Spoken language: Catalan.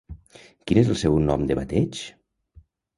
Quin és el seu nom de bateig?